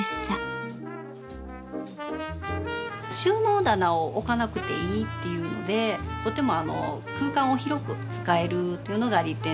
収納棚を置かなくていいっていうのでとても空間を広く使えるというのが利点ですかね。